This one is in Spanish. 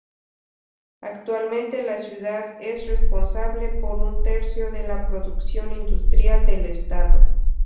Actualmente la ciudad es responsable por un tercio de la producción industrial del estado.